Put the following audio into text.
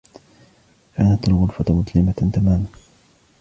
كانت الغرفة مظلمة تماما.